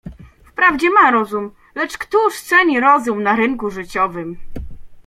"Wprawdzie ma rozum, lecz któż ceni rozum na rynku życiowym!"